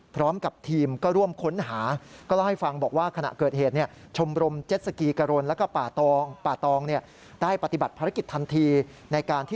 พร้อมกับทีมก็ร่วมค้นหาก็เลยให้ฟังบอกว่า